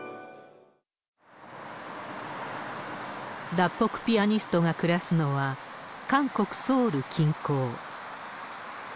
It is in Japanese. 脱北ピアニストが暮らすのは、韓国・ソウル近郊。